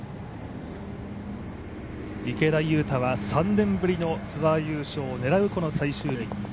池田勇太は３年ぶりのツアー優勝を狙う最終日。